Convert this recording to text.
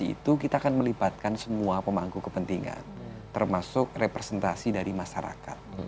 itu kita akan melibatkan semua pemangku kepentingan termasuk representasi dari masyarakat